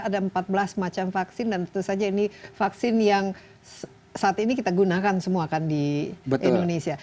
ada empat belas macam vaksin dan tentu saja ini vaksin yang saat ini kita gunakan semua kan di indonesia